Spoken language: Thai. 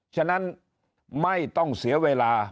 ฉะนั้นไม่ต้องเสียเวลา